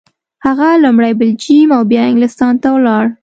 هغه لومړی بلجیم او بیا انګلستان ته ولاړ.